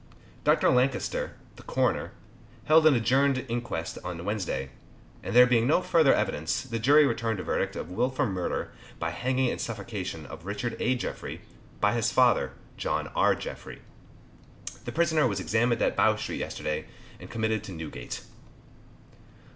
Dr. Lankester, the coroner, held an adjourned inquest on Wednesday, and there being no further evidence the jury returned a verdict of wilful murder by hanging and suffocation of Richard A. Jefferey, by his father, John R. Jefferey. The prisoner was examined at Bow street yesterday, and committed to Newgate.